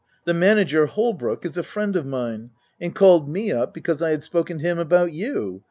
The manager Holbrooke, is a friend of mine, and called me up because I had spoken to him about you.